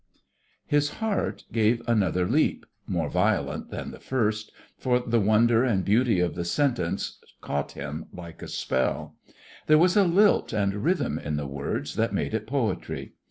His heart gave another leap more violent than the first for the wonder and beauty of the sentence caught him like a spell. There was a lilt and rhythm in the words that made it poetry.